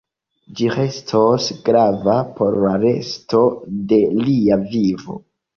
Ĝi restos grava por la resto de lia vivo.